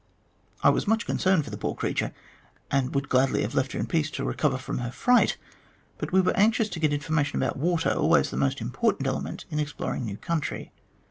I was much concerned for the poor creature, and would gladly have left her in peace to recover from her fright, but we were anxious to get information about water, always the most important element in exploring new country.